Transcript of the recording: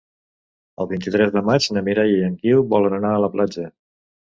El vint-i-tres de maig na Mireia i en Guiu volen anar a la platja.